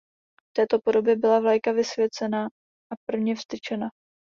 V této podobě byla vlajka vysvěcena a prvně vztyčena.